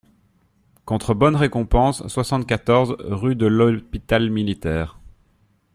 contre bonne récompense, soixante-quatorze, rue de l'Hôpital-Militaire.